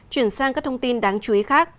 chuyển sang các thông tin đáng chú ý khác